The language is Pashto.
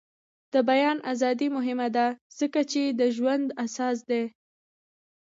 د بیان ازادي مهمه ده ځکه چې د ژوند اساس دی.